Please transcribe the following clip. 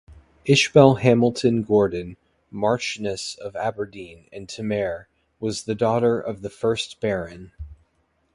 Ishbel Hamilton-Gordon, Marchioness of Aberdeen and Temair, was the daughter of the first Baron.